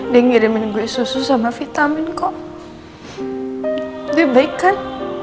dia ngirimin gue susu sama vitamin kok lebih baik kan